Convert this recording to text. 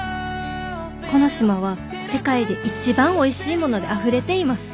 「この島は世界で一番おいしいものであふれています」。